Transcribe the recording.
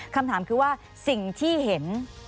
คำถามคือว่าสิ่งที่เห็น